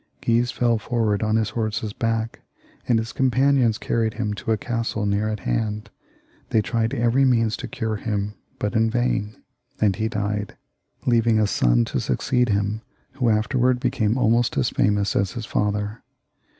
Guise fell forward on his horse's neck, and his companions carried him to a castle near at hand; they tried every means to cure him, but in vain, and he died, leaving a son to succeed him, who afterwards became ahnost as famous as his father.